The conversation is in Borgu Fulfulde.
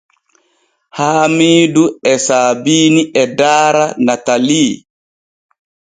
Haamiidu e Sabiini e daara Natalii.